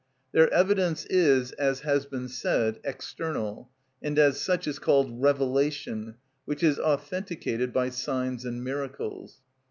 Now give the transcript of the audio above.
Their evidence is, as has been said, external, and as such is called revelation, which is authenticated by signs and miracles.